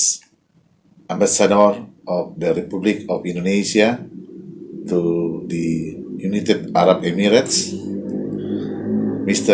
pembicara dari republik indonesia kepada emirat arab yang berkaitan dengan indonesia